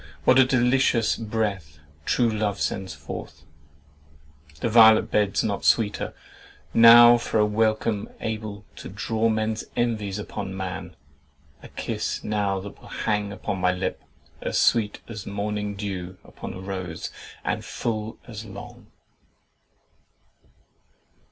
What a delicious breath true love sends forth! The violet beds not sweeter. Now for a welcome Able to draw men's envies upon man: A kiss now that will hang upon my lip, As sweet as morning dew upon a rose, And full as long!"